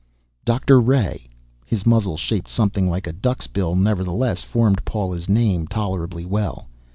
"Doctor Ray." His muzzle, shaped something like a duck's bill, nevertheless formed Paula's name tolerably well.